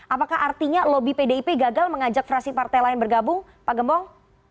apakah artinya lobby pdip gagal mengajak fraksi partai lain bergabung pak gembong